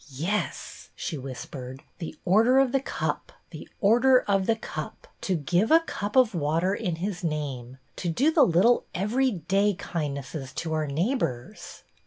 " Yes," she whispered, " the Order of The Cup, the Order of The Cup ; to give a cup of ; water in His name; to do the little everyday ■ kindnesses to our neighbors